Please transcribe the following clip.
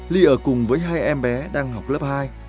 ly ở cùng với hai em bé đang học lớp hai